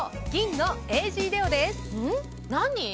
何？